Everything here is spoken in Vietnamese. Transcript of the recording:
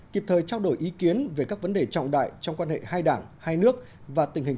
kịp thời trao đổi ý kiến về các vấn đề trọng đại trong quan hệ hai đảng hai nước và tình hình